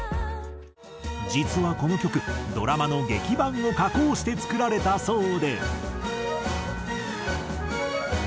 実はこの曲ドラマの劇伴を加工して作られたそうで。